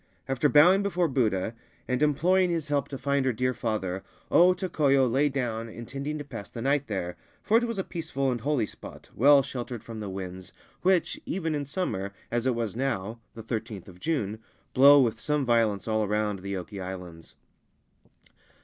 After bowing before Buddha and imploring 103 Ancient Tales and Folklore of Japan his help to find her dear father, O Tokoyo lay down, intending to pass the night there, for it was a peaceful and holy spot, well sheltered from the winds, which, even in summer, as it was now (the I3th of June), blow with some violence all around the Oki Islands.